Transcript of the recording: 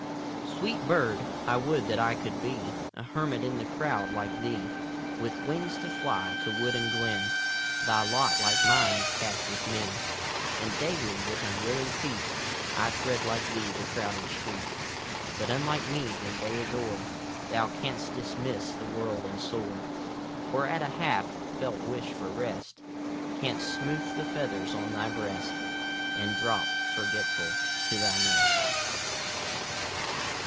a (89) Sweet bird ! I would that I could be A hermit in the crowd like thee ! With wings to fly to wood and glen, Thy lot, like mine, is .cast with men; And daily, with unwilling feet, 1 tread, like thee, the crowded street ; But, unlike me, when day is o'er. Thou canst dismiss the world and soar, Or, at a half felt wish for rest. Canst smooth the feathers on thy breast, And drop, forgetful, to thy nest.